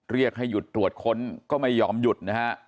เรียกให้หยุดตรวจค้นก็ไม่ยอมหยุดนะฮะ